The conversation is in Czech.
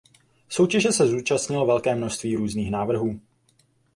Soutěže se zúčastnilo velké množství různých návrhů.